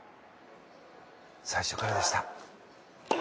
最初からでした。